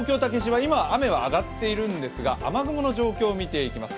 今雨はあがっているんですが雨雲の状況を見ていきます。